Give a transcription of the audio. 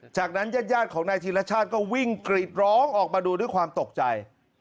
จากนั้นญาติของนายธีรชาติก็วิ่งกรีดร้องออกมาดูด้วยความตกใจ